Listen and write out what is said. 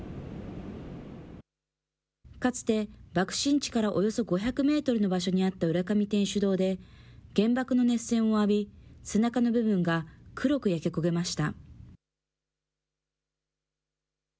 かつて、爆心地からおよそ５００メートルの場所にあった浦上天主堂で、原爆の熱線を浴び、背中の部分が黒く焼け焦げました。